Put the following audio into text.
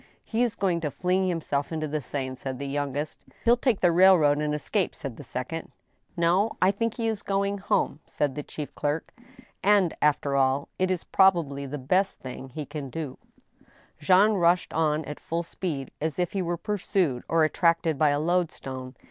" He is going to fling himself into the Seine," said the youngest. " He'll take the railroad, and escape," said the second. " No ; I think he is going home," said the chief clerk, " and, after all, it is probably the best thing he can do." Jean rushed on at full speed, as if he were pursued, or attracted by a loadstone.